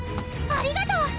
ありがとう！